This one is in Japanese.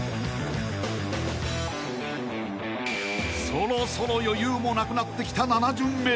［そろそろ余裕もなくなってきた］